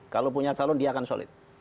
kalau punya calon dia akan solid